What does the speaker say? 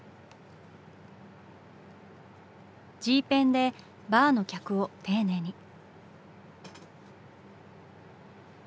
Ｇペンでバーの客を丁寧に。